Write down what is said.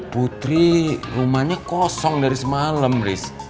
putri rumahnya kosong dari semalam riz